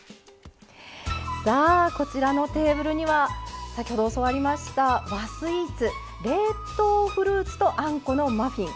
さあこちらのテーブルには先ほど教わりました和スイーツ冷凍フルーツとあんこのマフィン。